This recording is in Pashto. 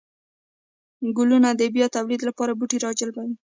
گلونه د بيا توليد لپاره بوټي راجلبوي